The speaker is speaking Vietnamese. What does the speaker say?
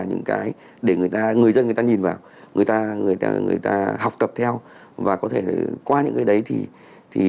những cái để người dân người ta nhìn vào người ta học tập theo và có thể qua những cái đấy thì